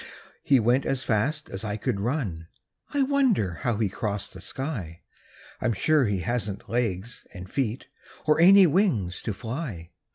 He went as fast as I could run; I wonder how he crossed the sky? I'm sure he hasn't legs and feet Or any wings to fly.